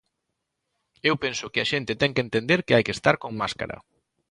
Eu penso que a xente ten que entender que hai que estar con máscara.